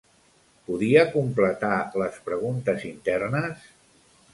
Podia completar les preguntes internes?